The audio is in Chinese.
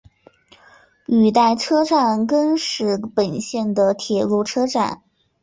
羽带车站根室本线的铁路车站。